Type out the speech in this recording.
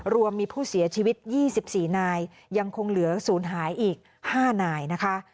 รวมมีผู้เสียชีวิต๒๔นายยังคงเหลือศูนย์หายอีก๕นายนะคะ